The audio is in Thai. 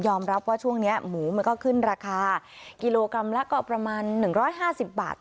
รับว่าช่วงนี้หมูมันก็ขึ้นราคากิโลกรัมละก็ประมาณ๑๕๐บาท